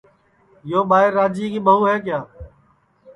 یو ٻائیر راجِئے ٻہُو ہے کِیا